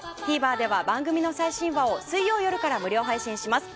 ＴＶｅｒでは番組の最新話を水曜夜から無料配信します。